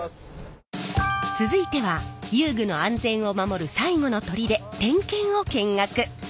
続いては遊具の安全を守る最後のとりで点検を見学。